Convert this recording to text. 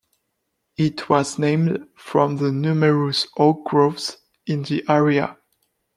It was named from the numerous oak groves in the area.